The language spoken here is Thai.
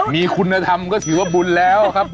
มีคุณธรรมก็ถือว่าบุญแล้วครับ